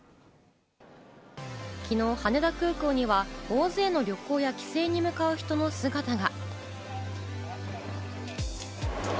昨日、羽田空港には大勢の旅行や帰省に向かう人たちの姿が。